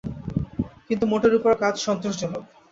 কিন্তু মোটের উপর কাজ সন্তোষজনক।